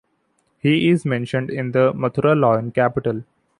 He is mentioned in the Mathura lion capital.